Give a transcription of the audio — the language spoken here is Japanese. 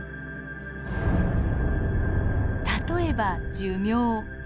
例えば寿命。